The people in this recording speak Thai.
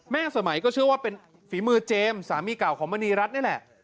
สมัยก็เชื่อว่าเป็นฝีมือเจมส์สามีเก่าของมณีรัฐนี่แหละ